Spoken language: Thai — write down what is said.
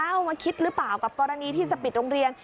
เอามาคิดหรือเปล่ากับกรณีที่จะปิดโรงเรียน